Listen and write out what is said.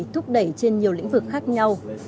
thúc đẩy trên nhiều lĩnh vực khác nhau